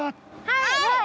はい！